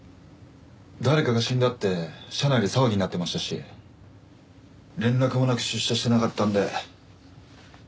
誰かが死んだって社内で騒ぎになってましたし連絡もなく出社してなかったんで嫌な予感はしてたんです。